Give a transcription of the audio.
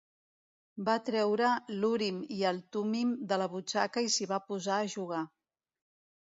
Va treure l'Urim i el Tumim de la butxaca i s'hi va posar a jugar.